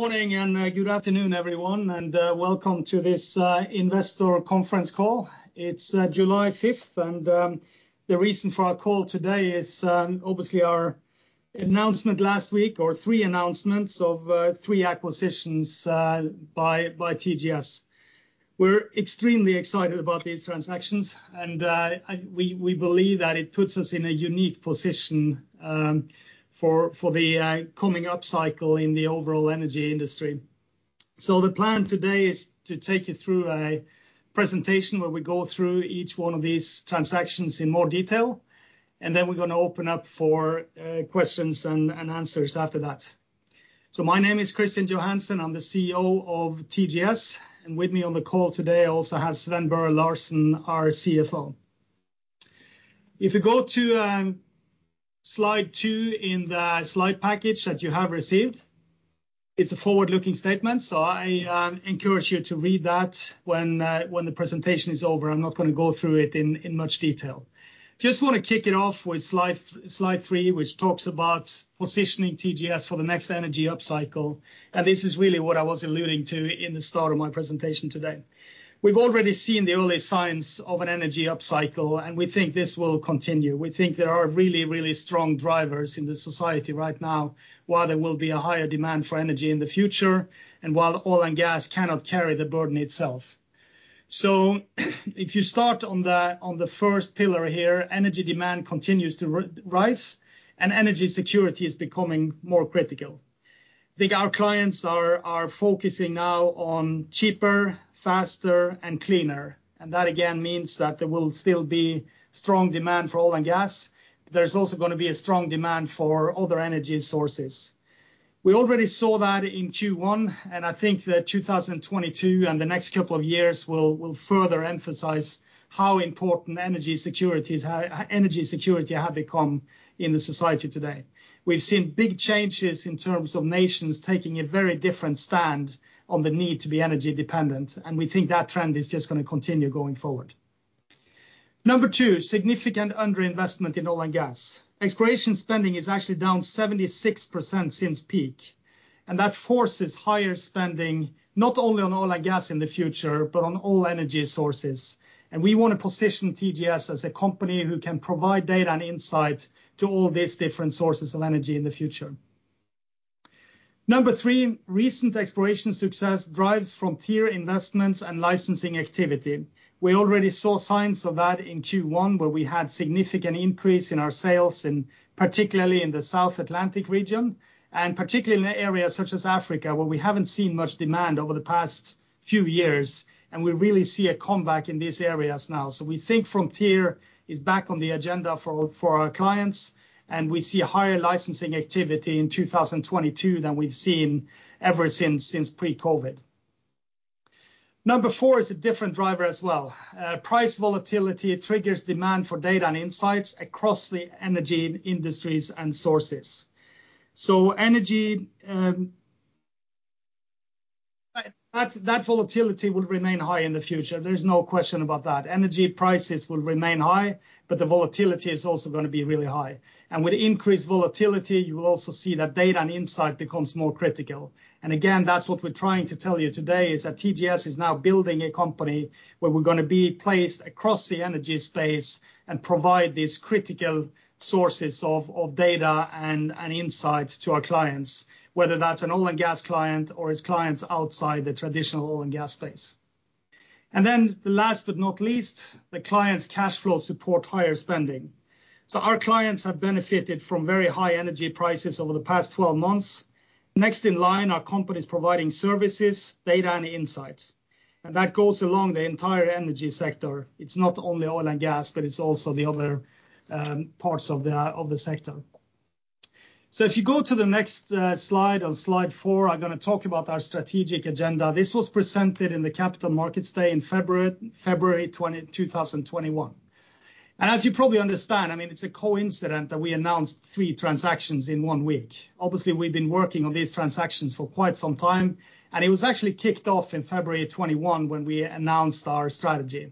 Morning and good afternoon everyone, welcome to this investor conference call. It's July 5th, the reason for our call today is obviously our announcements last week or three announcements of three acquisitions by TGS. We're extremely excited about these transactions, and we believe that it puts us in a unique position for the coming upcycle in the overall energy industry. The plan today is to take you through a presentation where we go through each one of these transactions in more detail, and then we're gonna open up for questions and answers after that. My name is Kristian Johansen, I'm the CEO of TGS, and with me on the call today I also have Sven Børre Larsen, our CFO. If you go to slide two in the slide package that you have received, it's a forward-looking statement, so I encourage you to read that when the presentation is over. I'm not gonna go through it in much detail. Just wanna kick it off with slide three, which talks about positioning TGS for the next energy upcycle, and this is really what I was alluding to in the start of my presentation today. We've already seen the early signs of an energy upcycle, and we think this will continue. We think there are really strong drivers in the society right now why there will be a higher demand for energy in the future, and while oil and gas cannot carry the burden itself. If you start on the first pillar here, energy demand continues to rise, and energy security is becoming more critical. I think our clients are focusing now on cheaper, faster, and cleaner, and that again means that there will still be strong demand for oil and gas. There's also gonna be a strong demand for other energy sources. We already saw that in Q1, and I think that 2022 and the next couple of years will further emphasize how important energy security is, how energy security have become in the society today. We've seen big changes in terms of nations taking a very different stand on the need to be energy dependent, and we think that trend is just gonna continue going forward. Number two, significant underinvestment in oil and gas. Exploration spending is actually down 76% since peak, and that forces higher spending, not only on oil and gas in the future, but on all energy sources. We wanna position TGS as a company who can provide data and insight to all these different sources of energy in the future. Number three, recent exploration success drives frontier investments and licensing activity. We already saw signs of that in Q1, where we had significant increase in our sales in, particularly in the South Atlantic region, and particularly in the areas such as Africa, where we haven't seen much demand over the past few years, and we really see a comeback in these areas now. We think frontier is back on the agenda for our clients, and we see higher licensing activity in 2022 than we've seen ever since pre-COVID. Number four is a different driver as well. Price volatility triggers demand for data and insights across the energy industries and sources. So energy, that volatility will remain high in the future. There is no question about that. Energy prices will remain high, but the volatility is also gonna be really high and with increased volatility you will also see that data and insight becomes more critical. Again, that's what we're trying to tell you today, is that TGS is now building a company where we're gonna be placed across the energy space and provide these critical sources of data and insights to our clients, whether that's an oil and gas client or it's clients outside the traditional oil and gas space. Then the last but not least, the client's cash flows support higher spending. Our clients have benefited from very high energy prices over the past 12 months. Next in line are companies providing services, data and insights, and that goes along the entire energy sector. It's not only oil and gas, but it's also the other parts of the sector. If you go to the next slide, on slide four, I'm gonna talk about our strategic agenda. This was presented in the Capital Markets Day in February 20, 2021. As you probably understand, I mean, it's a coincidence that we announced three transactions in one week. Obviously, we've been working on these transactions for quite some time, and it was actually kicked off in February of 2021 when we announced our strategy.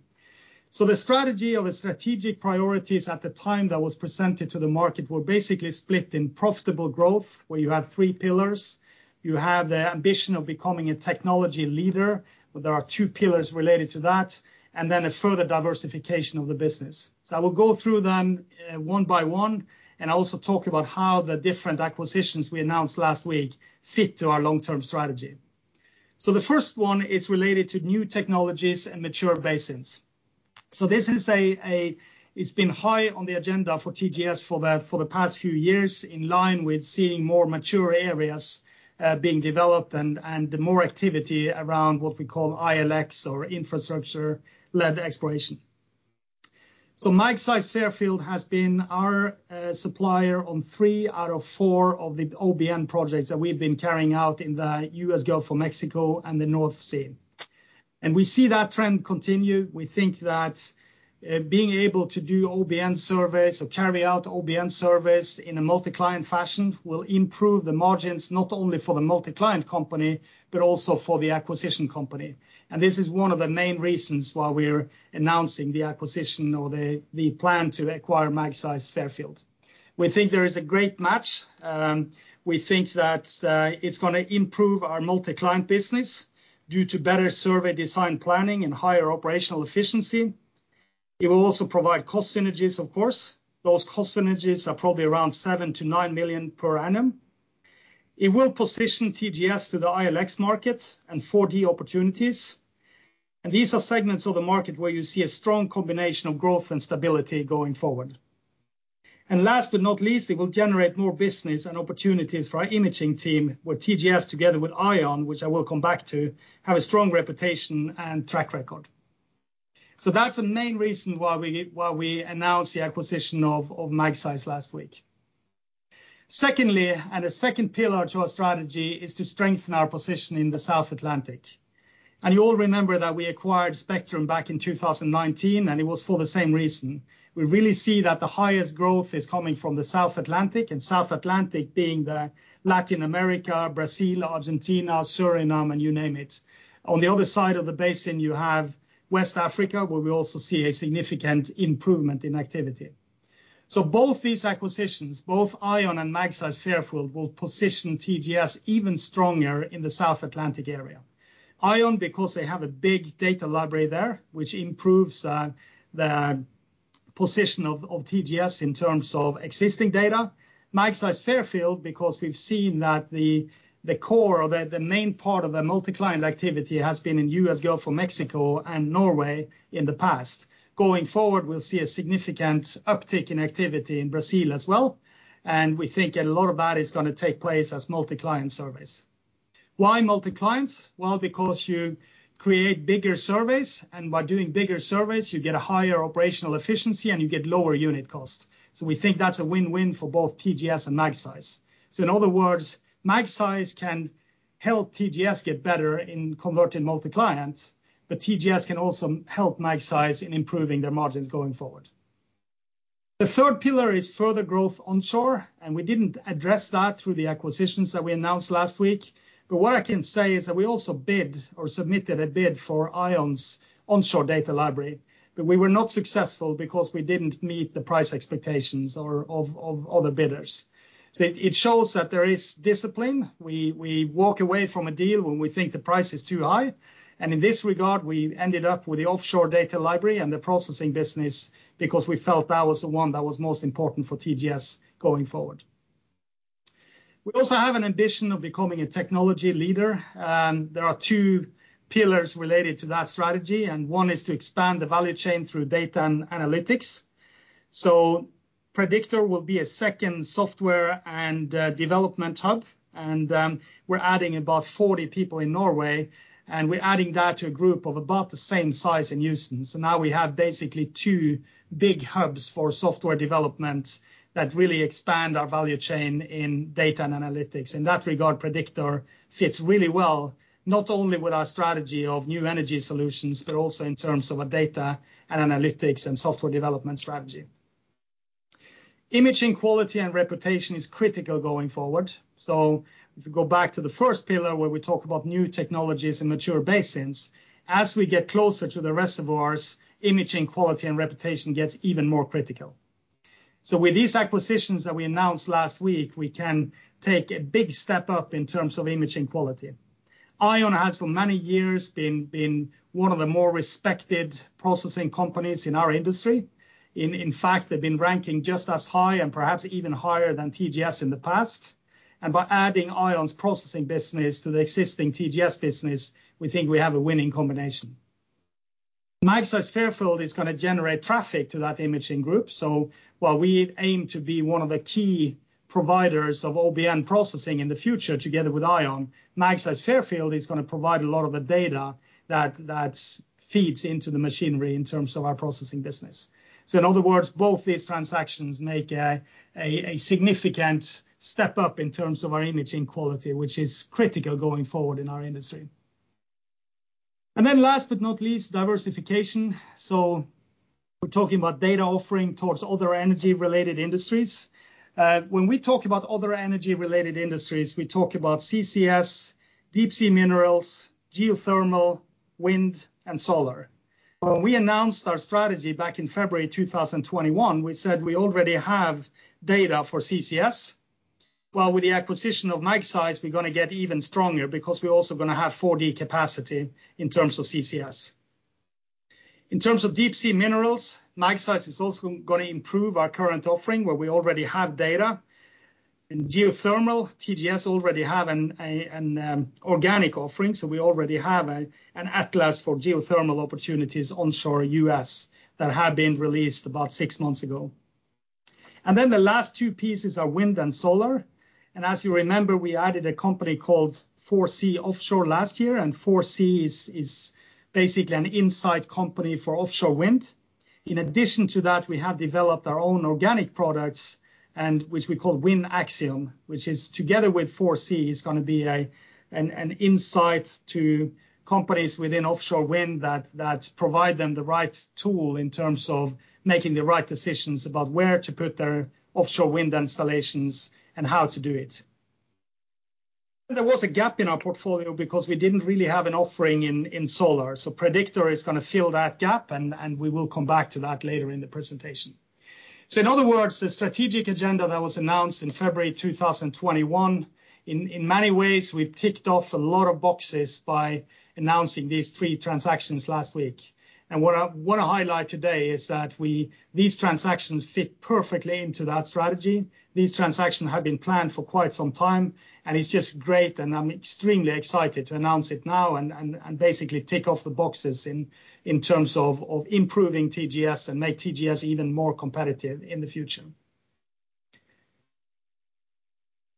The strategy or the strategic priorities at the time that was presented to the market were basically split in profitable growth, where you have three pillars. You have the ambition of becoming a technology leader, where there are two pillars related to that, and then a further diversification of the business. I will go through them, one by one, and also talk about how the different acquisitions we announced last week fit to our long-term strategy. The first one is related to new technologies and mature basins. This is. It's been high on the agenda for TGS for the past few years, in line with seeing more mature areas being developed and more activity around what we call ILX, or infrastructure-led exploration. Magseis Fairfield has been our supplier on three out of four of the OBN projects that we've been carrying out in the U.S. Gulf of Mexico and the North Sea, and we see that trend continue. We think that being able to do OBN surveys or carry out OBN surveys in a multi-client fashion will improve the margins not only for the multi-client company, but also for the acquisition company. This is one of the main reasons why we're announcing the acquisition, or the plan to acquire Magseis Fairfield. We think there is a great match. We think that it's gonna improve our multi-client business due to better survey design planning and higher operational efficiency. It will also provide cost synergies, of course. Those cost synergies are probably around $7 million-$9 million per annum. It will position TGS to the ILX market and 4D opportunities, and these are segments of the market where you see a strong combination of growth and stability going forward. Last but not least, it will generate more business and opportunities for our imaging team, where TGS together with ION, which I will come back to, have a strong reputation and track record. That's the main reason why we announced the acquisition of Magseis last week. Secondly, a second pillar to our strategy is to strengthen our position in the South Atlantic. You all remember that we acquired Spectrum back in 2019, and it was for the same reason. We really see that the highest growth is coming from the South Atlantic, and South Atlantic being the Latin America, Brazil, Argentina, Suriname, and you name it. On the other side of the basin, you have West Africa, where we also see a significant improvement in activity. Both these acquisitions, both ION and Magseis Fairfield, will position TGS even stronger in the South Atlantic area. ION because they have a big data library there, which improves the position of TGS in terms of existing data. Magseis Fairfield because we've seen that the core of the main part of the multi-client activity has been in U.S. Gulf of Mexico and Norway in the past. Going forward, we'll see a significant uptick in activity in Brazil as well, and we think a lot of that is gonna take place as multi-client surveys. Why multi-client? Well, because you create bigger surveys, and by doing bigger surveys, you get a higher operational efficiency, and you get lower unit cost. We think that's a win-win for both TGS and Magseis. In other words, Magseis can help TGS get better in converting multi-client, but TGS can also help Magseis in improving their margins going forward. The third pillar is further growth onshore, and we didn't address that through the acquisitions that we announced last week. What I can say is that we also bid or submitted a bid for ION's onshore data library, but we were not successful because we didn't meet the price expectations of other bidders. It shows that there is discipline. We walk away from a deal when we think the price is too high. In this regard, we ended up with the offshore data library and the processing business because we felt that was the one that was most important for TGS going forward. We also have an ambition of becoming a technology leader, and there are two pillars related to that strategy, and one is to expand the value chain through data and analytics. Prediktor will be a second software and development hub, and we're adding about 40 people in Norway, and we're adding that to a group of about the same size in Houston. Now we have basically two big hubs for software development that really expand our value chain in data and analytics. In that regard, Prediktor fits really well, not only with our strategy of new energy solutions but also in terms of our data and analytics and software development strategy. Imaging quality and reputation is critical going forward. If we go back to the first pillar where we talk about new technologies and mature basins, as we get closer to the reservoirs, imaging quality and reputation gets even more critical. With these acquisitions that we announced last week, we can take a big step up in terms of imaging quality. ION has for many years been one of the more respected processing companies in our industry. In fact, they've been ranking just as high and perhaps even higher than TGS in the past. By adding ION's processing business to the existing TGS business, we think we have a winning combination. Magseis Fairfield is gonna generate traffic to that imaging group. While we aim to be one of the key providers of OBN processing in the future together with ION, Magseis Fairfield is gonna provide a lot of the data that feeds into the machinery in terms of our processing business. In other words, both these transactions make a significant step up in terms of our imaging quality, which is critical going forward in our industry. Last but not least, diversification. We're talking about data offering towards other energy-related industries. When we talk about other energy-related industries, we talk about CCS, deep sea minerals, geothermal, wind, and solar. When we announced our strategy back in February 2021, we said we already have data for CCS. Well, with the acquisition of Magseis, we're gonna get even stronger because we're also gonna have 4D capacity in terms of CCS. In terms of deep sea minerals, Magseis is also gonna improve our current offering where we already have data. In geothermal, TGS already have organic offering, so we already have an atlas for geothermal opportunities onshore U.S. that had been released about six months ago. The last two pieces are wind and solar. As you remember, we added a company called 4C Offshore last year, and 4C is basically an insight company for offshore wind. In addition to that, we have developed our own organic products and which we call Wind AXIOM, which is together with 4C is gonna be an insight to companies within offshore wind that provide them the right tool in terms of making the right decisions about where to put their offshore wind installations and how to do it. There was a gap in our portfolio because we didn't really have an offering in solar. Predictor is gonna fill that gap, and we will come back to that later in the presentation. In other words, the strategic agenda that was announced in February 2021, in many ways we've ticked off a lot of boxes by announcing these three transactions last week. What I highlight today is that these transactions fit perfectly into that strategy. These transactions have been planned for quite some time, and it's just great, and I'm extremely excited to announce it now and basically tick off the boxes in terms of improving TGS and make TGS even more competitive in the future.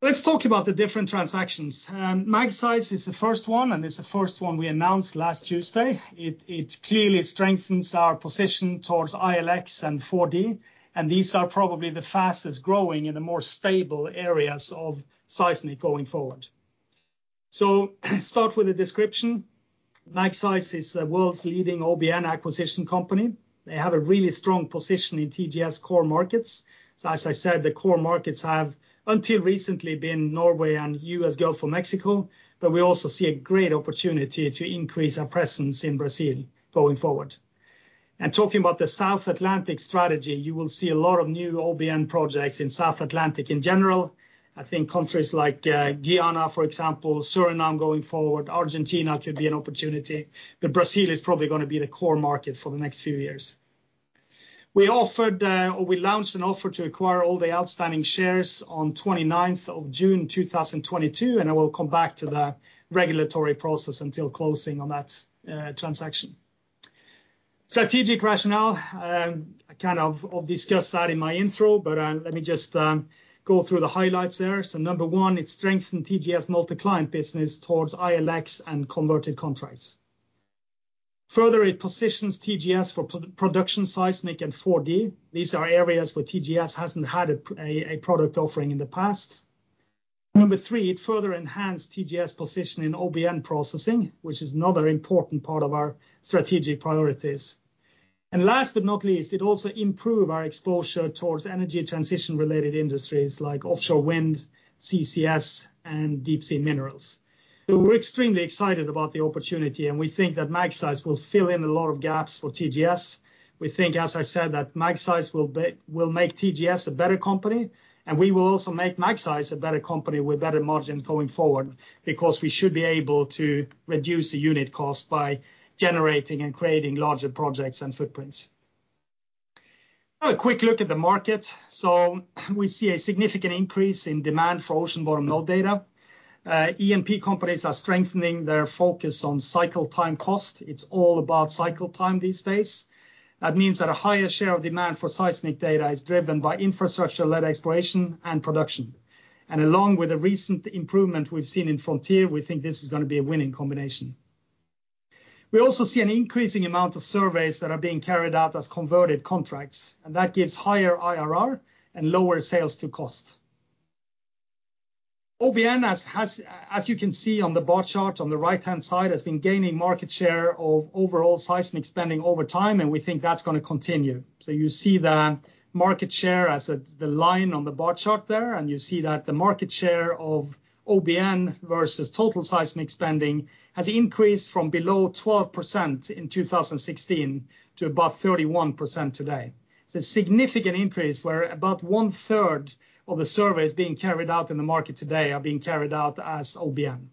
Let's talk about the different transactions. Magseis is the first one and is the first one we announced last Tuesday. It clearly strengthens our position towards ILX and 4D, and these are probably the fastest growing and the more stable areas of seismic going forward. Start with the description. Magseis is the world's leading OBN acquisition company. They have a really strong position in TGS core markets. As I said, the core markets have until recently been Norway and U.S. Gulf of Mexico, but we also see a great opportunity to increase our presence in Brazil going forward. Talking about the South Atlantic strategy, you will see a lot of new OBN projects in South Atlantic in general. I think countries like Guyana, for example, Suriname going forward, Argentina could be an opportunity, but Brazil is probably gonna be the core market for the next few years. We offered or we launched an offer to acquire all the outstanding shares on 29th of June 2022, and I will come back to the regulatory process until closing on that transaction. Strategic rationale, I kind of discussed that in my intro, but let me just go through the highlights there. Number one, it strengthen TGS multi-client business towards ILX and converted contracts. Further, it positions TGS for post-production seismic and 4D. These are areas where TGS hasn't had a product offering in the past. Number three, it further enhanced TGS position in OBN processing, which is another important part of our strategic priorities. Last but not least, it also improve our exposure towards energy transition related industries like offshore wind, CCS, and deep sea minerals. We're extremely excited about the opportunity, and we think that Magseis will fill in a lot of gaps for TGS. We think, as I said, that Magseis will make TGS a better company, and we will also make Magseis a better company with better margins going forward because we should be able to reduce the unit cost by generating and creating larger projects and footprints. Now a quick look at the market. We see a significant increase in demand for ocean bottom node data. E&P companies are strengthening their focus on cycle time cost. It's all about cycle time these days. That means that a higher share of demand for seismic data is driven by infrastructure-led exploration and production. Along with the recent improvement we've seen in frontier, we think this is gonna be a winning combination. We also see an increasing amount of surveys that are being carried out as converted contracts, and that gives higher IRR and lower sales to cost. OBN, as you can see on the bar chart on the right-hand side, has been gaining market share of overall seismic spending over time, and we think that's gonna continue. You see the market share as the line on the bar chart there, and you see that the market share of OBN versus total seismic spending has increased from below 12% in 2016 to above 31% today. It's a significant increase where about 1/3 of the surveys being carried out in the market today are being carried out as OBN.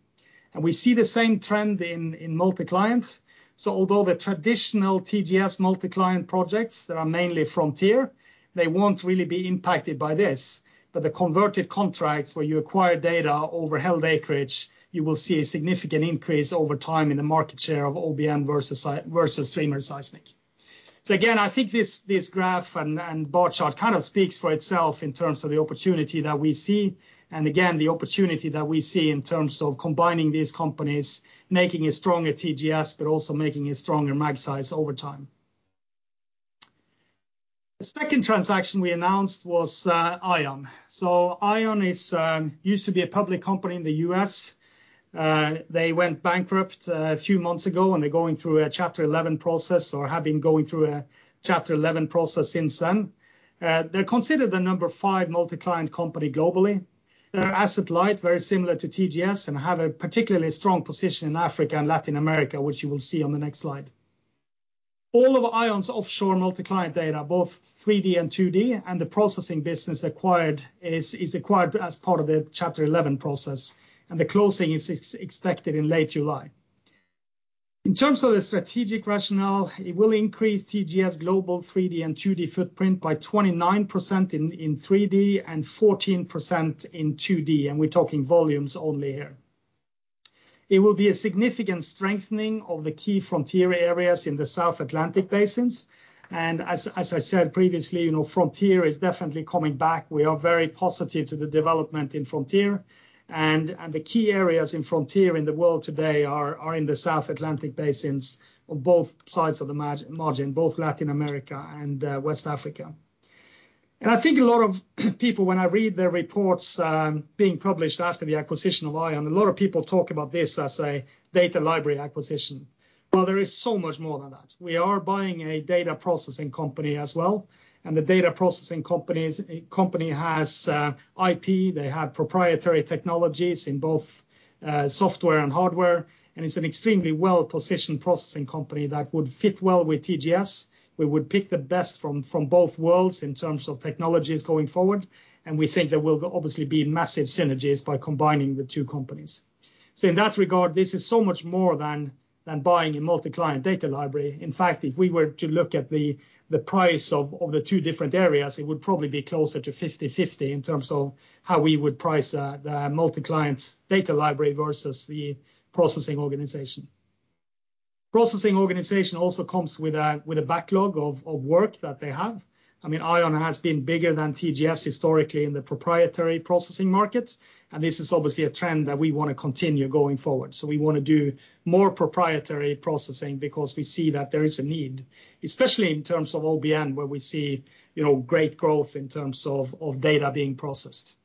We see the same trend in multi-client. Although the traditional TGS multi-client projects that are mainly frontier, they won't really be impacted by this. The converted contracts where you acquire data over held acreage, you will see a significant increase over time in the market share of OBN versus streamer seismic. Again, I think this graph and bar chart kind of speaks for itself in terms of the opportunity that we see and again, the opportunity that we see in terms of combining these companies, making a stronger TGS but also making a stronger Magseis over time. The second transaction we announced was ION. ION used to be a public company in the U.S. They went bankrupt a few months ago, and they're going through a Chapter 11 process or have been going through a Chapter 11 process since then. They're considered the number five multi-client company globally. They're asset light, very similar to TGS, and have a particularly strong position in Africa and Latin America, which you will see on the next slide. All of ION's offshore multi-client data, both 3D and 2D, and the processing business acquired is acquired as part of the Chapter 11 process, and the closing is expected in late July. In terms of the strategic rationale, it will increase TGS global 3D and 2D footprint by 29% in 3D and 14% in 2D, and we're talking volumes only here. It will be a significant strengthening of the key frontier areas in the South Atlantic basins, and as I said previously, you know, frontier is definitely coming back. We are very positive to the development in frontier, and the key areas in frontier in the world today are in the South Atlantic basins on both sides of the margin, both Latin America and West Africa. I think a lot of people when I read their reports being published after the acquisition of ION, a lot of people talk about this as a data library acquisition. Well, there is so much more than that. We are buying a data processing company as well, and the data processing company has IP, they have proprietary technologies in both software and hardware, and it's an extremely well-positioned processing company that would fit well with TGS. We would pick the best from both worlds in terms of technologies going forward, and we think there will obviously be massive synergies by combining the two companies. In that regard, this is so much more than buying a multi-client data library. In fact, if we were to look at the price of the two different areas, it would probably be closer to 50-50 in terms of how we would price the multi-client data library versus the processing organization. Processing organization also comes with a backlog of work that they have. I mean, ION has been bigger than TGS historically in the proprietary processing market, and this is obviously a trend that we wanna continue going forward. We wanna do more proprietary processing because we see that there is a need, especially in terms of OBN, where we see, you know, great growth in terms of data being processed.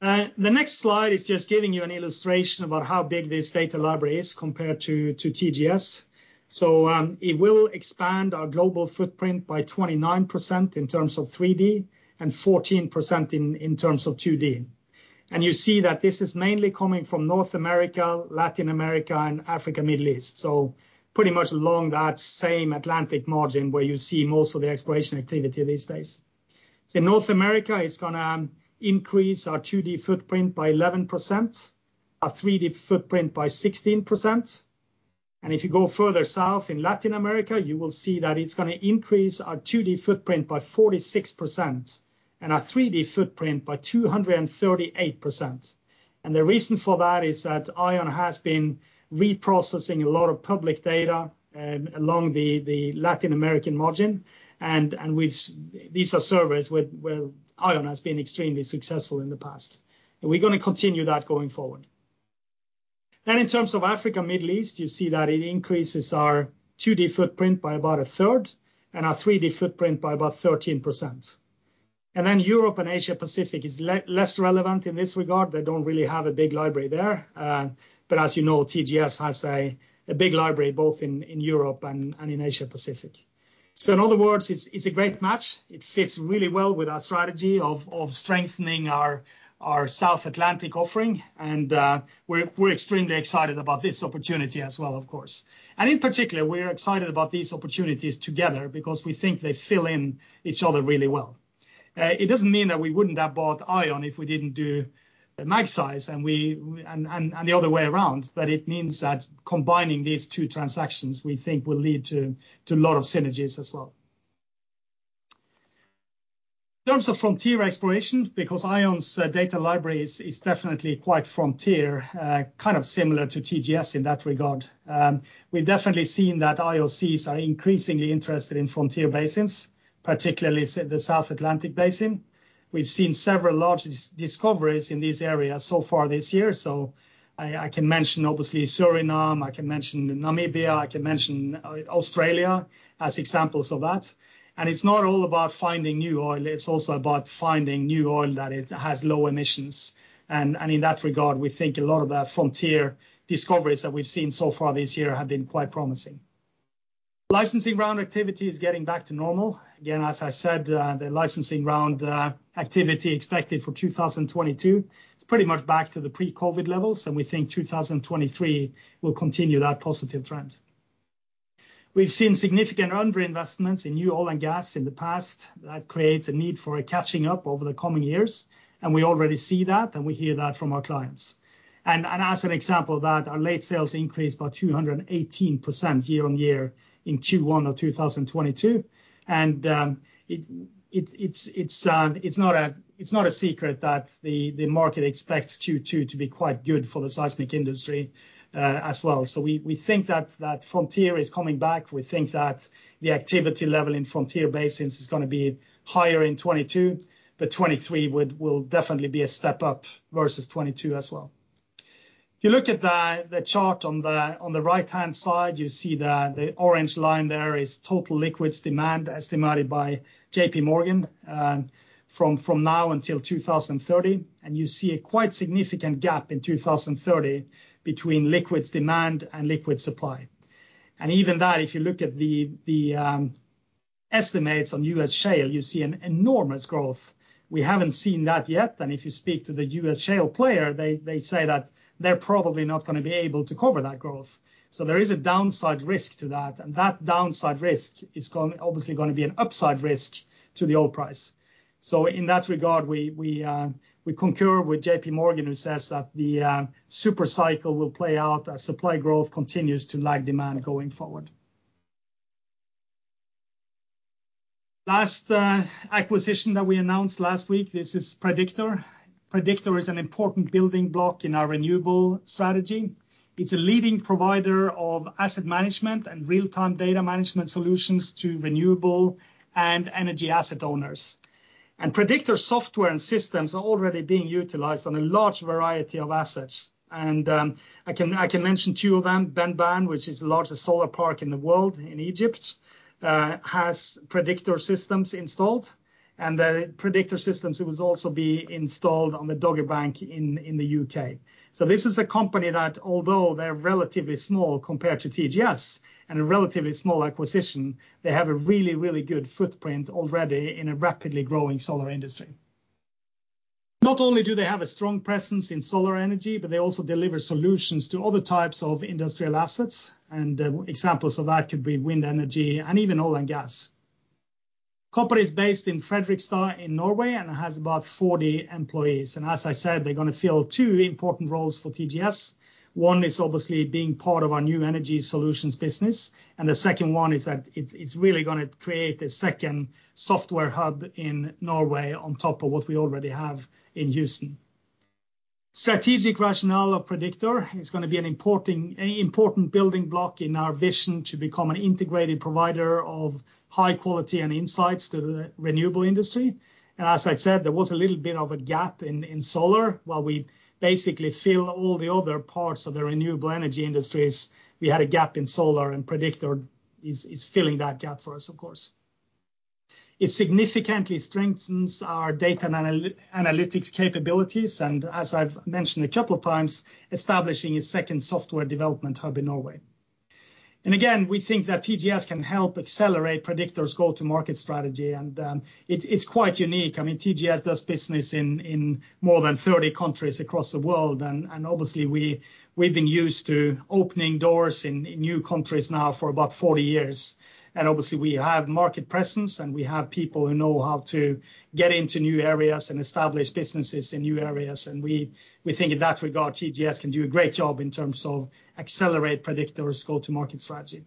The next slide is just giving you an illustration about how big this data library is compared to TGS. It will expand our global footprint by 29% in terms of 3D, and 14% in terms of 2D. You see that this is mainly coming from North America, Latin America, and Africa, Middle East. Pretty much along that same Atlantic margin where you see most of the exploration activity these days. North America is gonna increase our 2D footprint by 11%, our 3D footprint by 16%, and if you go further south in Latin America, you will see that it's gonna increase our 2D footprint by 46% and our 3D footprint by 238%. The reason for that is that ION has been reprocessing a lot of public data along the Latin American margin. These are surveys where ION has been extremely successful in the past, and we're gonna continue that going forward. In terms of Africa, Middle East, you see that it increases our 2D footprint by about a third and our 3D footprint by about 13%. Europe and Asia Pacific is less relevant in this regard. They don't really have a big library there. As you know, TGS has a big library both in Europe and in Asia Pacific. In other words, it's a great match. It fits really well with our strategy of strengthening our South Atlantic offering and we're extremely excited about this opportunity as well, of course. In particular, we're excited about these opportunities together because we think they fill in each other really well. It doesn't mean that we wouldn't have bought ION if we didn't do Magseis and the other way around, but it means that combining these two transactions, we think will lead to a lot of synergies as well. In terms of frontier exploration, because ION's data library is definitely quite frontier, kind of similar to TGS in that regard, we've definitely seen that IOCs are increasingly interested in frontier basins, particularly the South Atlantic Basin. We've seen several large discoveries in these areas so far this year, so I can mention obviously Suriname, I can mention Namibia, I can mention Australia as examples of that, and it's not all about finding new oil, it's also about finding new oil that it has low emissions. In that regard, we think a lot of the frontier discoveries that we've seen so far this year have been quite promising. Licensing round activity is getting back to normal. Again, as I said, the licensing round activity expected for 2022, it's pretty much back to the pre-COVID levels, and we think 2023 will continue that positive trend. We've seen significant underinvestment in new oil and gas in the past. That creates a need for catching up over the coming years, and we already see that, and we hear that from our clients. As an example of that, our late sales increased by 218% year-on-year in Q1 of 2022, and it's not a secret that the market expects Q2 to be quite good for the seismic industry, as well. We think that frontier is coming back. We think that the activity level in frontier basins is gonna be higher in 2022, but 2023 will definitely be a step up versus 2022 as well. If you look at the chart on the right-hand side, you see that the orange line there is total liquids demand estimated by JPMorgan from now until 2030, and you see a quite significant gap in 2030 between liquids demand and liquids supply. Even that, if you look at the estimates on US shale, you see an enormous growth. We haven't seen that yet, and if you speak to the US shale player, they say that they're probably not gonna be able to cover that growth. There is a downside risk to that, and that downside risk is going obviously gonna be an upside risk to the oil price. In that regard, we concur with JPMorgan who says that the supercycle will play out as supply growth continues to lag demand going forward. Last acquisition that we announced last week, this is Prediktor. Prediktor is an important building block in our renewable strategy. It's a leading provider of asset management and real-time data management solutions to renewable and energy asset owners. Prediktor software and systems are already being utilized on a large variety of assets and I can mention two of them. Benban, which is the largest solar park in the world in Egypt, has Prediktor systems installed. The Prediktor systems will also be installed on the Dogger Bank in the UK. This is a company that, although they're relatively small compared to TGS, and a relatively small acquisition, they have a really good footprint already in a rapidly growing solar industry. Not only do they have a strong presence in solar energy, but they also deliver solutions to other types of industrial assets, and examples of that could be wind energy and even oil and gas. Company is based in Fredrikstad in Norway and has about 40 employees. As I said, they're gonna fill two important roles for TGS. One is obviously being part of our new energy solutions business, and the second one is that it's really gonna create a second software hub in Norway on top of what we already have in Houston. Strategic rationale of Prediktor is gonna be an important building block in our vision to become an integrated provider of high quality and insights to the renewable industry. As I said, there was a little bit of a gap in solar. While we basically fill all the other parts of the renewable energy industries, we had a gap in solar, and Prediktor is filling that gap for us, of course. It significantly strengthens our data analytics capabilities and, as I've mentioned a couple of times, establishing a second software development hub in Norway. Again, we think that TGS can help accelerate Prediktor's go-to-market strategy, and it's quite unique. I mean, TGS does business in more than 30 countries across the world and obviously we've been used to opening doors in new countries now for about 40 years. Obviously we have market presence, and we have people who know how to get into new areas and establish businesses in new areas. We think, in that regard, TGS can do a great job in terms of accelerate Prediktor's go-to-market strategy.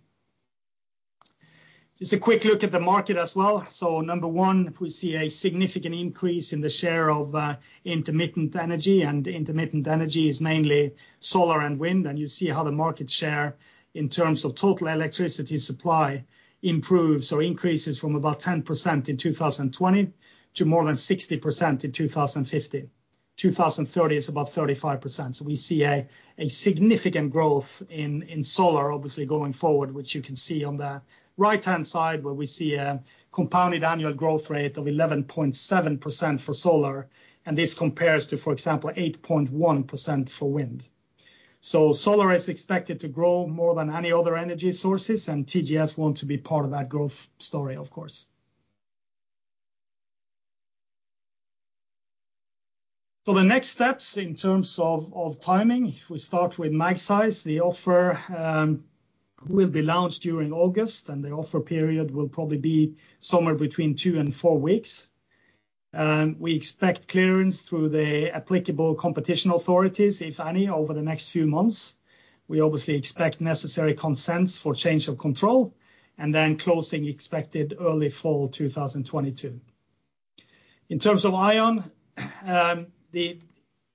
Just a quick look at the market as well. Number one, we see a significant increase in the share of intermittent energy, and intermittent energy is mainly solar and wind. You see how the market share in terms of total electricity supply improves or increases from about 10% in 2020 to more than 60% in 2050. 2030 is about 35%. We see a significant growth in solar obviously going forward, which you can see on the right-hand side where we see a compounded annual growth rate of 11.7% for solar, and this compares to, for example, 8.1% for wind. Solar is expected to grow more than any other energy sources, and TGS want to be part of that growth story, of course. The next steps in terms of timing, we start with Magseis. The offer will be launched during August, and the offer period will probably be somewhere between two and four weeks. We expect clearance through the applicable competition authorities, if any, over the next few months. We obviously expect necessary consents for change of control, and then closing expected early fall 2022. In terms of ION, the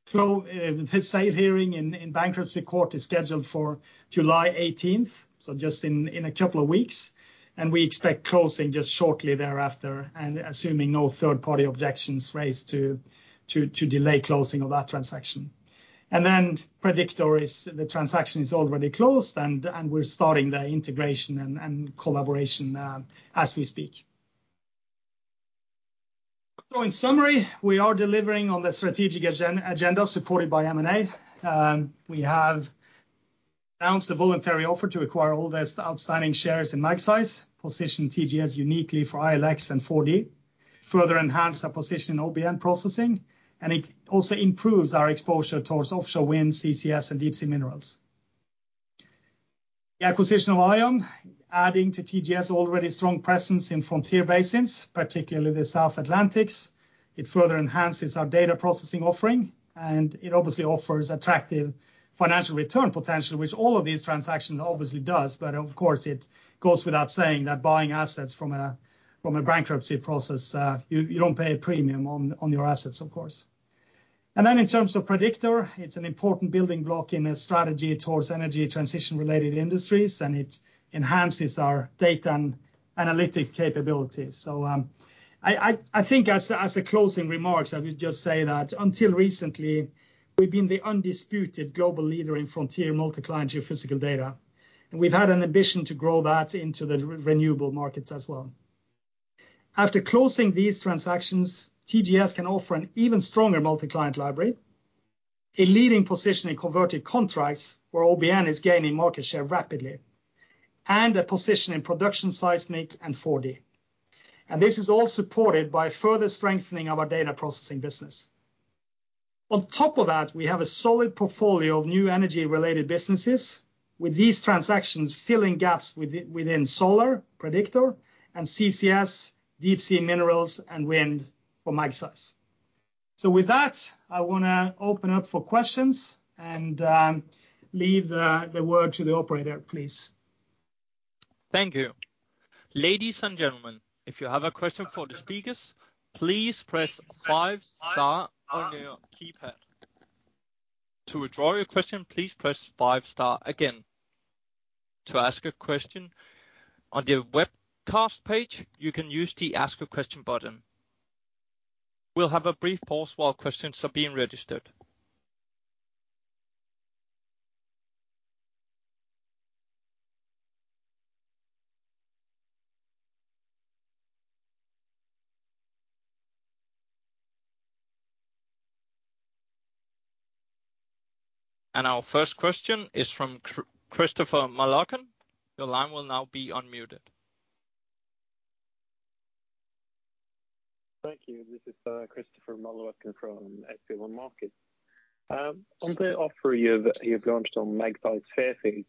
sale hearing in bankruptcy court is scheduled for July 18, so just in a couple of weeks. We expect closing just shortly thereafter, and assuming no third party objections raised to delay closing of that transaction. Then the Prediktor transaction is already closed, and we're starting the integration and collaboration, as we speak. In summary, we are delivering on the strategic agenda supported by M&A. We have announced a voluntary offer to acquire all the outstanding shares in Magseis, position TGS uniquely for ILX and 4D, further enhance our position in OBN processing, and it also improves our exposure towards offshore wind, CCS, and deep sea minerals. The acquisition of ION adding to TGS' already strong presence in frontier basins, particularly the South Atlantic. It further enhances our data processing offering, and it obviously offers attractive financial return potential, which all of these transactions obviously does. Of course, it goes without saying that buying assets from a bankruptcy process, you don't pay a premium on your assets, of course. In terms of Prediktor, it's an important building block in a strategy towards energy transition-related industries, and it enhances our data and analytics capabilities. I think as a closing remarks, I would just say that until recently, we've been the undisputed global leader in frontier multi-client geophysical data, and we've had an ambition to grow that into the renewable markets as well. After closing these transactions, TGS can offer an even stronger multi-client library, a leading position in converted contracts where OBN is gaining market share rapidly, and a position in production seismic and 4D. This is all supported by further strengthening our data processing business. On top of that, we have a solid portfolio of new energy-related businesses, with these transactions filling gaps within solar, Prediktor, and CCS, deep sea minerals and wind for Magseis. With that, I wanna open up for questions and leave the floor to the operator, please. Thank you. Ladies and gentlemen, if you have a question for the speakers, please press five star on your keypad. To withdraw your question, please press five star again. To ask a question on the webcast page, you can use the Ask a Question button. We'll have a brief pause while questions are being registered. Our first question is from Christopher Møllerløkken. Your line will now be unmuted. Thank you. This is Christopher Møllerløkken from SpareBank 1 Markets. On the offer you've launched on Magseis Fairfield,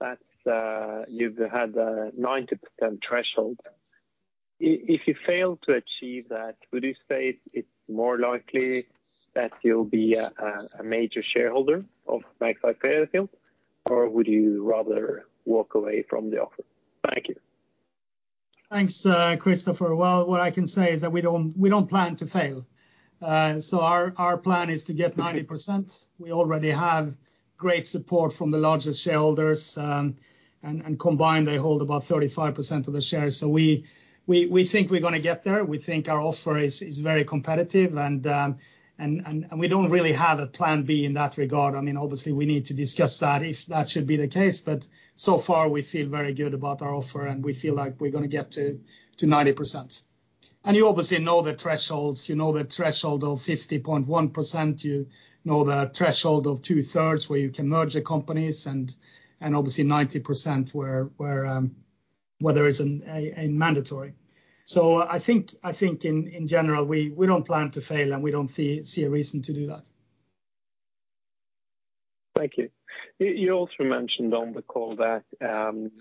that's you've had a 90% threshold. If you fail to achieve that, would you say it's more likely that you'll be a major shareholder of Magseis Fairfield, or would you rather walk away from the offer? Thank you. Thanks, Christopher. Well, what I can say is that we don't plan to fail. Our plan is to get 90%. We already have great support from the largest shareholders, and combined, they hold about 35% of the shares. We think we're gonna get there. We think our offer is very competitive, and we don't really have a plan B in that regard. I mean, obviously, we need to discuss that if that should be the case, but so far, we feel very good about our offer, and we feel like we're gonna get to 90%. You obviously know the thresholds, you know the threshold of 50.1%, you know the threshold of 2/3 where you can merge the companies and obviously 90% where there is a mandatory. I think in general, we don't plan to fail, and we don't see a reason to do that. Thank you. You also mentioned on the call that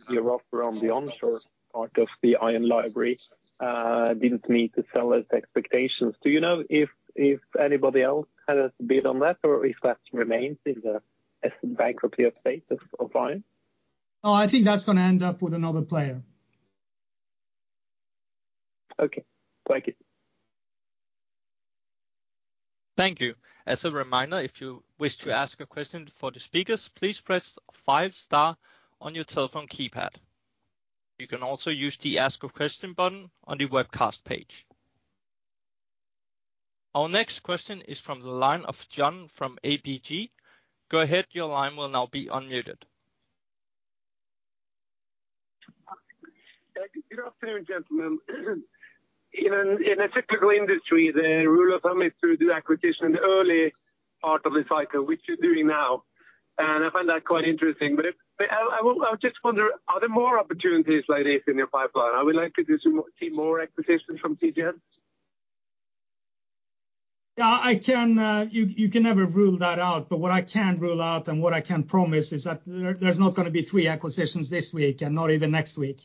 your offer on the onshore part of the ION Library didn't meet the seller's expectations. Do you know if anybody else has bid on that or if that remains in the asset bankruptcy update of ION? No, I think that's gonna end up with another player. Okay. Thank you. Thank you. As a reminder, if you wish to ask a question for the speakers, please press five star on your telephone keypad. You can also use the Ask a Question button on the webcast page. Our next question is from the line of John from ABG. Go ahead, your line will now be unmuted. Good afternoon, gentlemen. In a cyclical industry, the rule of thumb is to do acquisition in the early part of the cycle, which you're doing now, and I find that quite interesting. I was just wondering, are there more opportunities like this in your pipeline? Are we likely to see more acquisitions from TGS? Yeah, you can never rule that out. What I can rule out and what I can promise is that there's not gonna be three acquisitions this week and not even next week.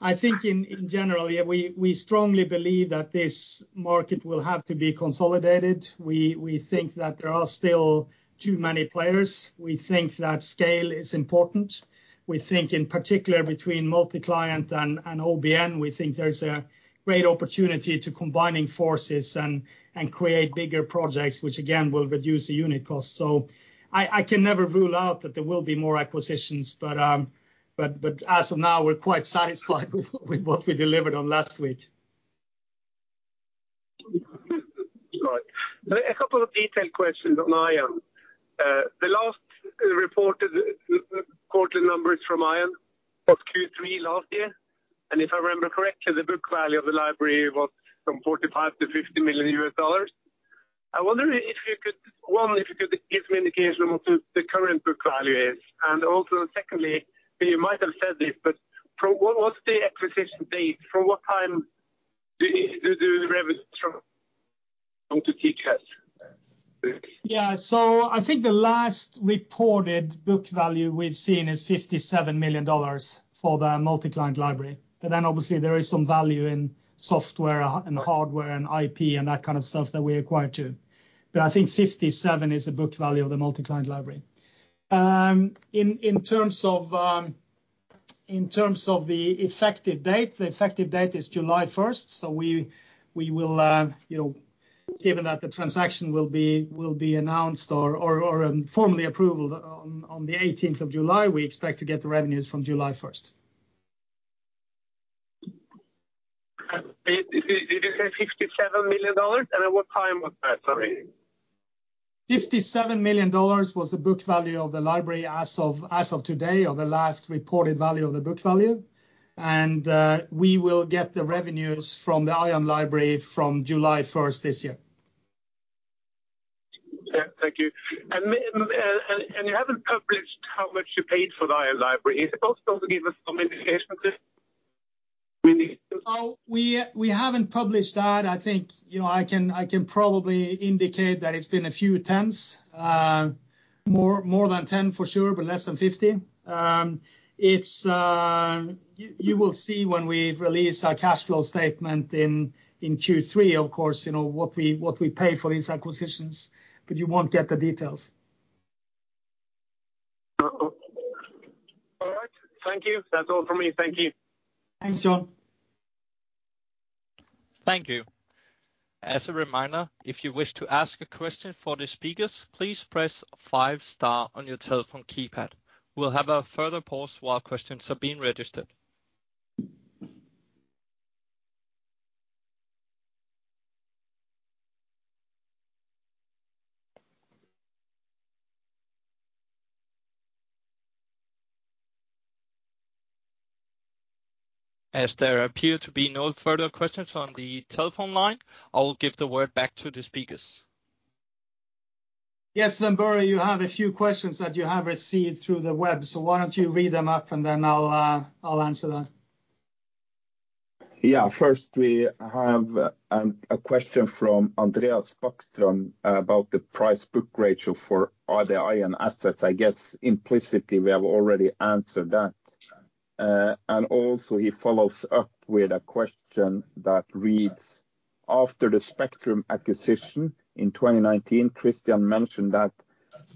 I think in general, yeah, we strongly believe that this market will have to be consolidated. We think that there are still too many players. We think that scale is important. We think in particular between multi-client and OBN, we think there's a great opportunity to combining forces and create bigger projects, which again will reduce the unit cost. I can never rule out that there will be more acquisitions, but as of now, we're quite satisfied with what we delivered on last week. Right. A couple of detailed questions on ION. The last reported quarterly numbers from ION was Q3 last year, and if I remember correctly, the book value of the library was $45 million-$50 million. I wonder if you could give me an indication of what the current book value is, and also secondly, you might have said this, but what's the acquisition date? From what time do the revenue from TGS? I think the last reported book value we've seen is $57 million for the multi-client library. But then obviously there is some value in software and hardware and IP and that kind of stuff that we acquired too. But I think 57 is the book value of the multi-client library. In terms of the effective date, the effective date is July 1st. We will, given that the transaction will be announced or formally approved on the 18th of July, expect to get the revenues from July 1st. Did you say $57 million? And at what time was that? Sorry. $57 million was the book value of the library as of today, or the last reported value of the book value. We will get the revenues from the ION Library from July 1st this year. Thank you. You haven't published how much you paid for the ION Library. Is it possible to give us some indication of this? I mean, it's just. No, we haven't published that. I think, you know, I can probably indicate that it's been a few tens. More than 10 for sure, but less than 50. You will see when we release our cash flow statement in Q3, of course, you know, what we pay for these acquisitions, but you won't get the details. Oh, oh. All right. Thank you. That's all for me. Thank you. Thanks, John. Thank you. As a reminder, if you wish to ask a question for the speakers, please press five star on your telephone keypad. We'll have a further pause while questions are being registered. As there appear to be no further questions on the telephone line, I will give the word back to the speakers. Yes, Sven, you have a few questions that you have received through the web, so why don't you read them up, and then I'll answer them. Yeah. First, we have a question from Andreas Bäckström about the price book ratio for other ION assets. I guess implicitly we have already answered that. And also he follows up with a question that reads: After the Spectrum acquisition in 2019, Kristian mentioned that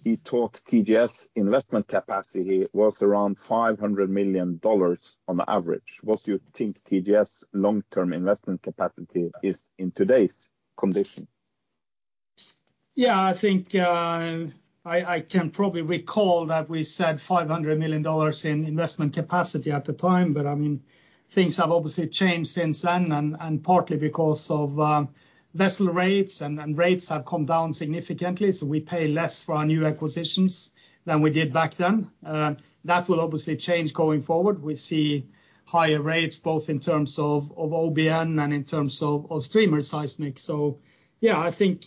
he thought TGS investment capacity was around $500 million on average. What do you think TGS long-term investment capacity is in today's condition? Yeah, I think I can probably recall that we said $500 million in investment capacity at the time, but I mean, things have obviously changed since then, and partly because of vessel rates and rates have come down significantly. We pay less for our new acquisitions than we did back then. That will obviously change going forward. We see higher rates, both in terms of OBN and in terms of streamer seismic. Yeah, I think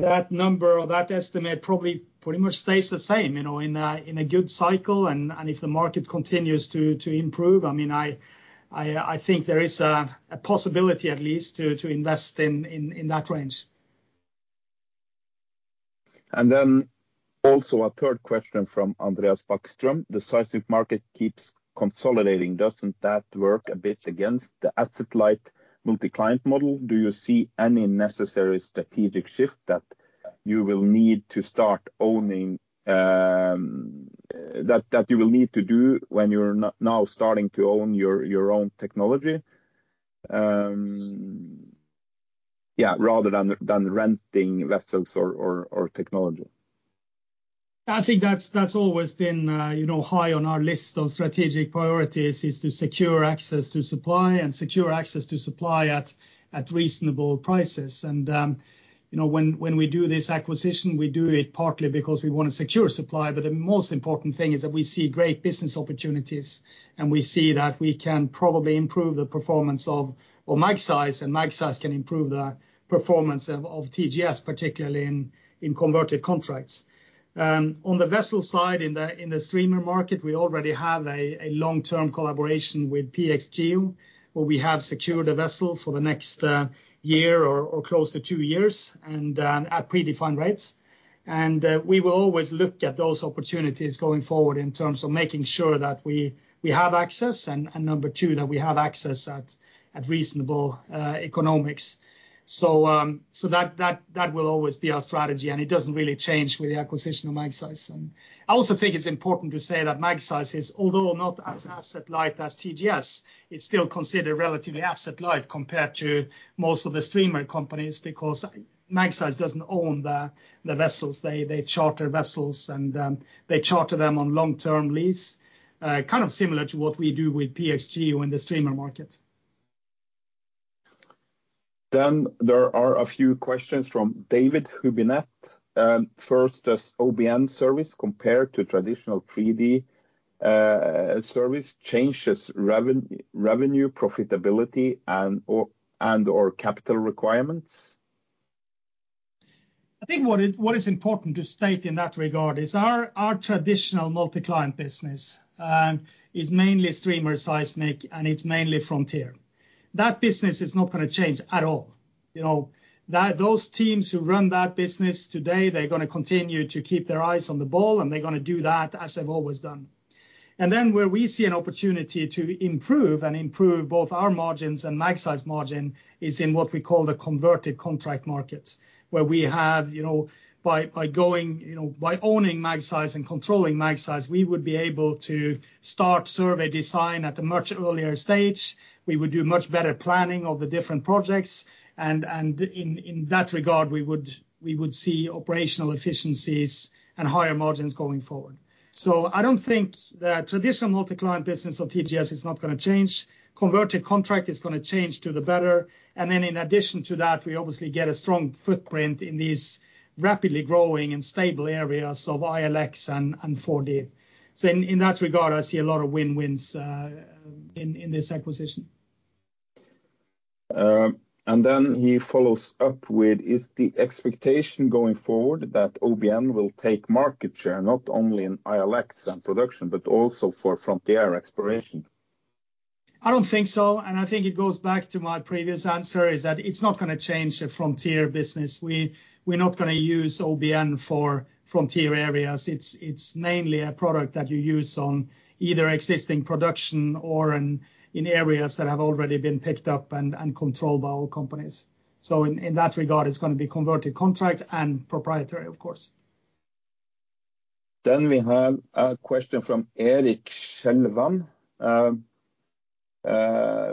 that number or that estimate probably pretty much stays the same, you know, in a good cycle and if the market continues to improve. I mean, I think there is a possibility at least to invest in that range. A third question from Andreas Bäckström. The seismic market keeps consolidating. Doesn't that work a bit against the asset-light multi-client model? Do you see any necessary strategic shift that you will need to do when you're now starting to own your own technology, rather than renting vessels or technology? I think that's always been, you know, high on our list of strategic priorities, is to secure access to supply at reasonable prices. You know, when we do this acquisition, we do it partly because we want to secure supply, but the most important thing is that we see great business opportunities and we see that we can pobably improve the performance of Magseis can improve the performance of TGS, particularly in converted contracts. On the vessel side, in the streamer market, we already have a long-term collaboration with PGS, where we have secured a vessel for the next year or close to two years and at predefined rates. We will always look at those opportunities going forward in terms of making sure that we have access and number two, that we have access at reasonable economics. That will always be our strategy, and it doesn't really change with the acquisition of Magseis. I also think it's important to say that Magseis is, although not as asset light as TGS, it's still considered relatively asset light compared to most of the streamer companies because Magseis doesn't own the vessels. They charter vessels and they charter them on long-term lease, kind of similar to what we do with PGS in the streamer market. There are a few questions from David Giovinazzi. First, does OBN service compare to traditional 3D service changes revenue profitability and/or capital requirements? I think what is important to state in that regard is our traditional multi-client business is mainly streamer seismic, and it's mainly frontier. That business is not gonna change at all. You know, those teams who run that business today, they're gonna continue to keep their eyes on the ball, and they're gonna do that as they've always done. Where we see an opportunity to improve both our margins and Magseis margin is in what we call the Converted Contract Markets, where, you know, by owning Magseis and controlling Magseis, we would be able to start survey design at a much earlier stage. We would do much better planning of the different projects and in that regard, we would see operational efficiencies and higher margins going forward. I don't think the traditional multi-client business of TGS is not gonna change. Converted Contract is gonna change for the better. In addition to that, we obviously get a strong footprint in these rapidly growing and stable areas of ILX and 4D. In that regard, I see a lot of win-wins in this acquisition. He follows up with, Is the expectation going forward that OBN will take market share not only in ILX and production, but also for frontier exploration? I don't think so. I think it goes back to my previous answer, is that it's not gonna change the frontier business. We're not gonna use OBN for frontier areas. It's mainly a product that you use on either existing production or in areas that have already been picked up and controlled by oil companies. In that regard, it's gonna be conversion contracts and proprietary, of course. We have a question from Erik [Shelvan],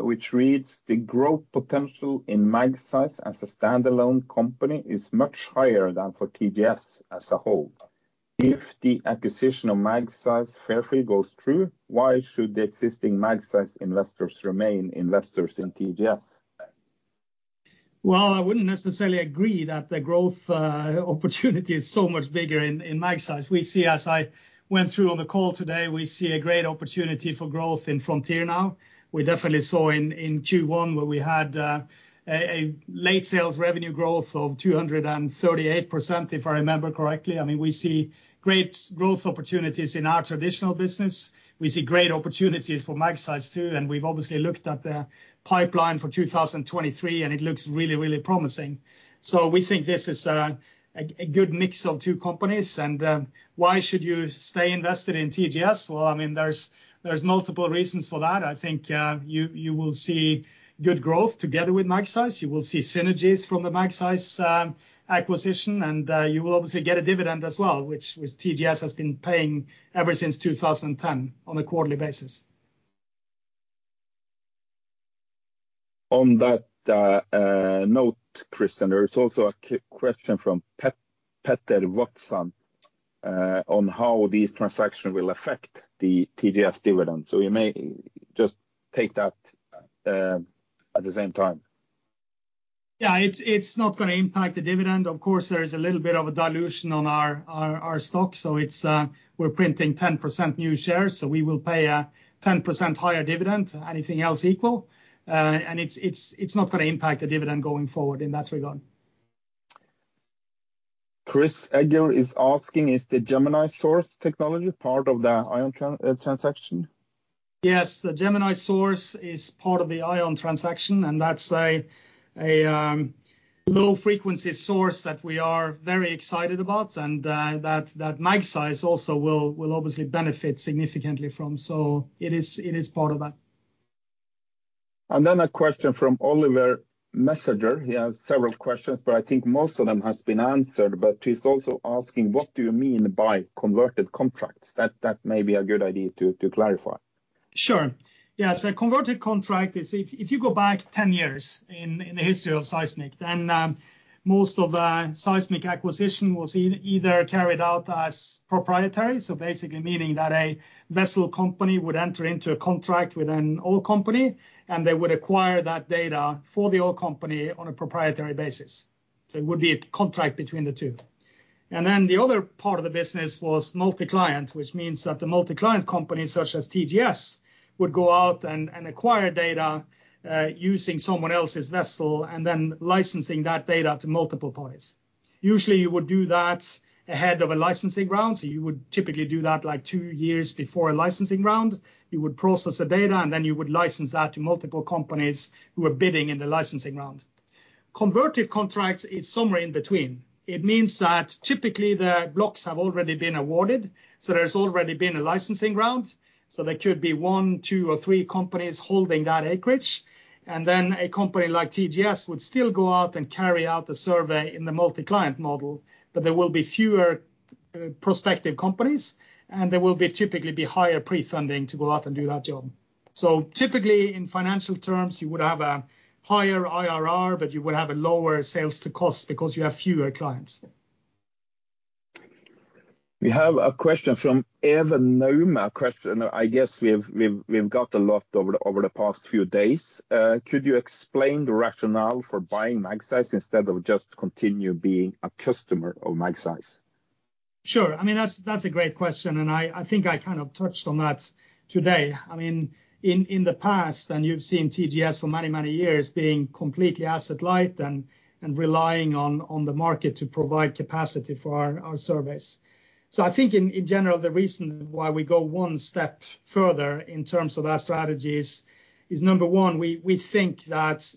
which reads. The growth potential in Magseis as a standalone company is much higher than for TGS as a whole. If the acquisition of Magseis Fairfield goes through, why should the existing Magseis investors remain investors in TGS? Well, I wouldn't necessarily agree that the growth opportunity is so much bigger in Magseis. We see as I went through on the call today, we see a great opportunity for growth in Frontier now. We definitely saw in Q1 where we had a like sales revenue growth of 238%, if I remember correctly. I mean, we see great growth opportunities in our traditional business. We see great opportunities for Magseis too, and we've obviously looked at the pipeline for 2023 and it looks really promising. So we think this is a good mix of two companies. Why should you stay invested in TGS? Well, I mean there's multiple reasons for that. I think you will see good growth together with Magseis. You will see synergies from the Magseis acquisition and you will obviously get a dividend as well which TGS has been paying ever since 2010 on a quarterly basis. On that note, Kristian, there is also a question from [Peter Vatsan] on how these transactions will affect the TGS dividend. You may just take that at the same time. Yeah. It's not gonna impact the dividend. Of course, there is a little bit of a dilution on our stock, so we're printing 10% new shares, so we will pay a 10% higher dividend, anything else equal. It's not gonna impact the dividend going forward in that regard. Chris Egger is asking, "Is the Gemini source technology part of the ION transaction? Yes. The Gemini source is part of the ION transaction, and that's a low frequency source that we are very excited about and that Magseis also will obviously benefit significantly from. It is part of that. A question from Oliver [Massager]. He has several questions, but I think most of them has been answered. He's also asking, "What do you mean by Converted Contracts?" That may be a good idea to clarify. Sure. Yeah. A conventional contract is, if you go back 10 years in the history of seismic, then most of the seismic acquisition was either carried out as proprietary, so basically meaning that a vessel company would enter into a contract with an oil company and they would acquire that data for the oil company on a proprietary basis. It would be a contract between the two. The other part of the business was multi-client, which means that the multi-client companies such as TGS would go out and acquire data using someone else's vessel and then licensing that data to multiple parties. Usually you would do that ahead of a licensing round, so you would typically do that, like, two years before a licensing round. You would process the data and then you would license that to multiple companies who are bidding in the licensing round. Committed contracts are somewhere in between. It means that typically the blocks have already been awarded, so there's already been a licensing round. There could be one, two or three companies holding that acreage, and then a company like TGS would still go out and carry out the survey in the multi-client model. There will be fewer prospective companies, and there will typically be higher pre-funding to go out and do that job. Typically in financial terms you would have a higher IRR, but you would have a lower sales to cost because you have fewer clients. We have a question from Evan Nauma. Question, I guess we've got a lot over the past few days. Could you explain the rationale for buying Magseis instead of just continue being a customer of Magseis? Sure. I mean that's a great question and I think I kind of touched on that today. I mean in the past, and you've seen TGS for many years being completely asset light and relying on the market to provide capacity for our surveys. I think in general the reason why we go one step further in terms of our strategies is, number one, we think that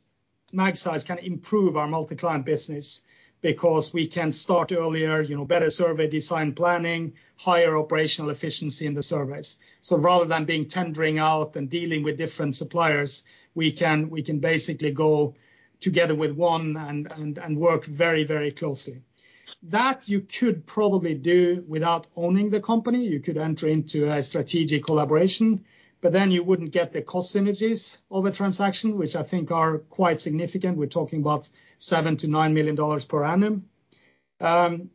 Magseis can improve our multi-client business because we can start earlier, you know, better survey design planning, higher operational efficiency in the surveys. Rather than being tendering out and dealing with different suppliers, we can basically go together with one and work very closely. That you could probably do without owning the company. You could enter into a strategic collaboration, but then you wouldn't get the cost synergies of a transaction, which I think are quite significant. We're talking about $7 million-$9 million per annum.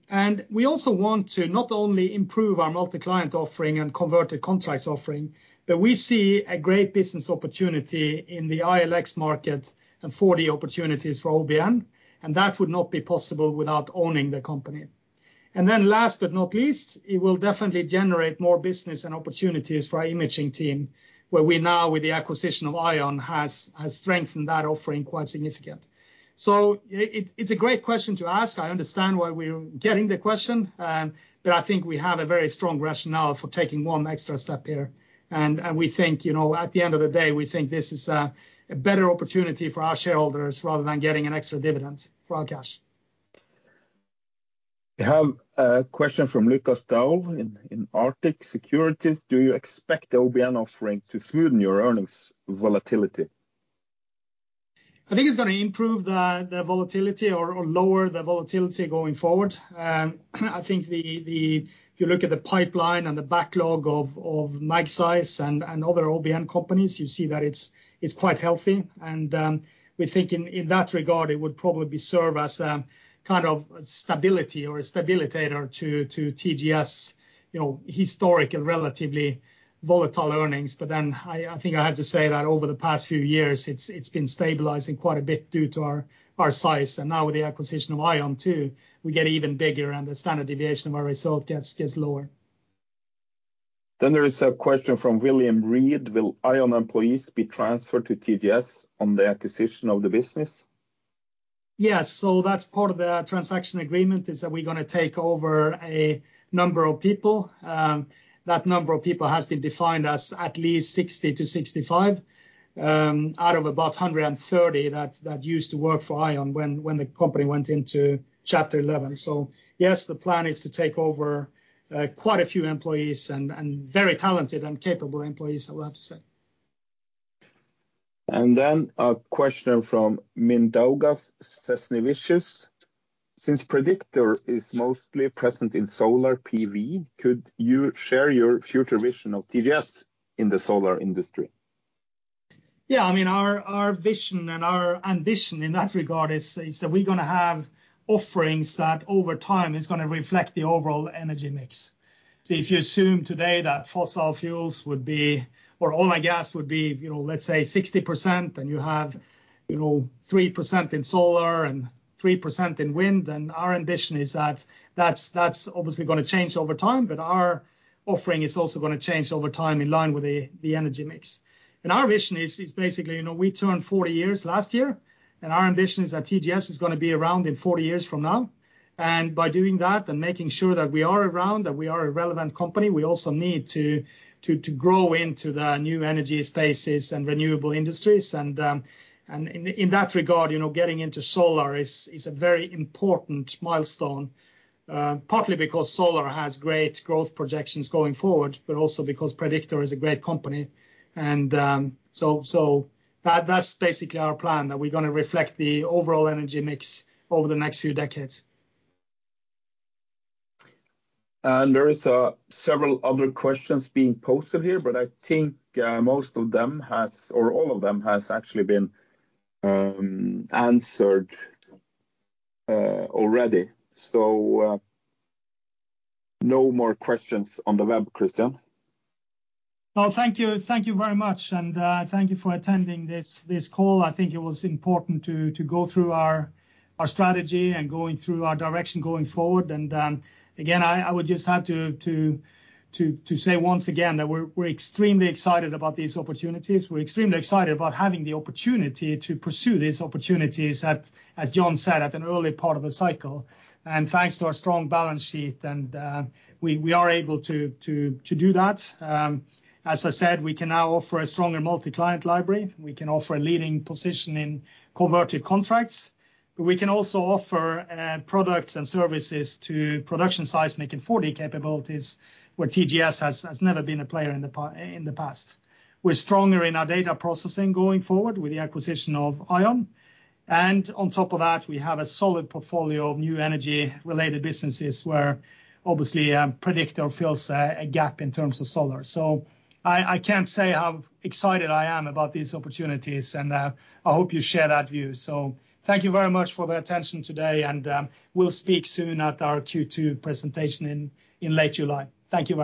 We also want to not only improve our multi-client offering and converted-wave offering, but we see a great business opportunity in the ILX market and 4D opportunities for OBN, and that would not be possible without owning the company. Last but not least, it will definitely generate more business and opportunities for our imaging team where we now with the acquisition of ION has strengthened that offering quite significant. It's a great question to ask. I understand why we're getting the question, but I think we have a very strong rationale for taking one extra step there. We think, you know, at the end of the day, we think this is a better opportunity for our shareholders rather than getting an extra dividend for our cash. We have a question from Lukas Daul in Arctic Securities. Do you expect the OBN offering to smoothen your earnings volatility? I think it's gonna improve the volatility or lower the volatility going forward. I think if you look at the pipeline and the backlog of Magseis and other OBN companies, you see that it's quite healthy. We think in that regard it would probably serve as a kind of stability or a stabilizer to TGS, you know, historically and relatively volatile earnings. I think I have to say that over the past few years it's been stabilizing quite a bit due to our size, and now with the acquisition of ION too, we get even bigger and the standard deviation of our result gets lower. There is a question from William [Reed] Will ION employees be transferred to TGS on the acquisition of the business? Yes. That's part of the transaction agreement, is that we're gonna take over a number of people. That number of people has been defined as at least 60-65, out of about 130 that used to work for ION when the company went into Chapter 11. Yes, the plan is to take over quite a few employees and very talented and capable employees, I will have to say. a question from Mindaugas Česnavičius. Since Prediktor is mostly present in solar PV, could you share your future vision of TGS in the solar industry? Yeah. I mean, our vision and our ambition in that regard is that we're gonna have offerings that over time is gonna reflect the overall energy mix. If you assume today that fossil fuels would be, or oil and gas would be, you know, let's say 60%, and you have, you know, 3% in solar and 3% in wind, then our ambition is that that's obviously gonna change over time, but our offering is also gonna change over time in line with the energy mix. Our vision is basically, you know, we turned 40 years last year, and our ambition is that TGS is gonna be around in 40 years from now, and by doing that and making sure that we are around, that we are a relevant company, we also need to grow into the new energy spaces and renewable industries. In that regard, you know, getting into solar is a very important milestone, partly because solar has great growth projections going forward, but also because Prediktor is a great company. That's basically our plan, that we're gonna reflect the overall energy mix over the next few decades. There is several other questions being posted here, but I think most of them has, or all of them has actually been answered already. No more questions on the web, Kristian. Well, thank you. Thank you very much, and thank you for attending this call. I think it was important to go through our strategy and going through our direction going forward. Again, I would just have to say once again that we're extremely excited about these opportunities. We're extremely excited about having the opportunity to pursue these opportunities at, as John said, at an early part of the cycle. Thanks to our strong balance sheet and we are able to do that. As I said, we can now offer a stronger multi-client library. We can offer a leading position in converted-wave contracts. But we can also offer products and services to production sites making 4D capabilities where TGS has never been a player in the past. We're stronger in our data processing going forward with the acquisition of ION. On top of that, we have a solid portfolio of new energy-related businesses where obviously, Prediktor fills a gap in terms of solar. I can't say how excited I am about these opportunities, and I hope you share that view. Thank you very much for the attention today, and we'll speak soon at our Q2 presentation in late July. Thank you very much.